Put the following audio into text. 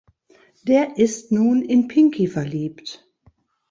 Der ist nun in Pinky verliebt.